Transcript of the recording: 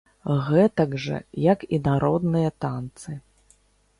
Гэтак жа як і народныя танцы.